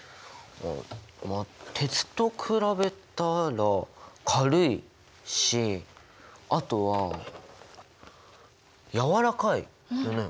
まあ鉄と比べたら軽いしあとはやわらかいよね。